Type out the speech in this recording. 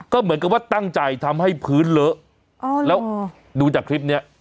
ก็เหมือนกับว่าตั้งใจทำให้พื้นเลอะแล้วดูจากคลิปเนี้ย